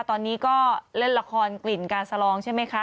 ตอนนี้ก็เล่นละครกลิ่นการสลองใช่ไหมคะ